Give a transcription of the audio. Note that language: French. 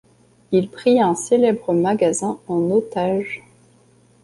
Il prit un célèbre magasin en otage.